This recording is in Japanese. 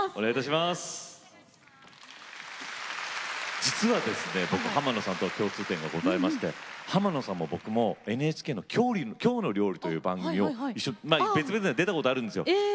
実は浜野さんと共通点がありまして浜野さんと僕もＮＨＫの「きょうの料理」別々なんですが出たことがあるんです。